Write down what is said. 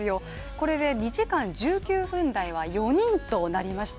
これで２時間１９分台は４人となりました。